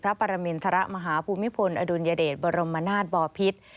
พระปรมินทระมหาภูมิพลอดูลยเดชบรรรมนาฏบอพิษ